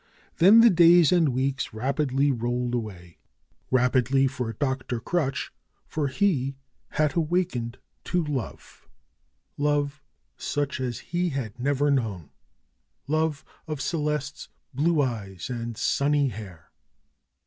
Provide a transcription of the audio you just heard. Then the days and weeks rapidly rolled away. Rap idly for Dr. Crutch, for he had awakened to love ; love such as he had never known ; love of Celeste's blue eyes and sunny hair.